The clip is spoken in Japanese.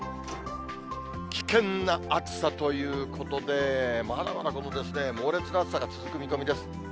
危険な暑さということで、まだまだこの猛烈な暑さが続く見込みです。